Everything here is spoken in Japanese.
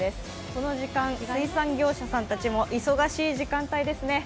この時間、水産業者さんたちも忙しい時間帯ですね。